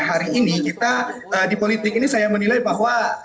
hari ini kita di politik ini saya menilai bahwa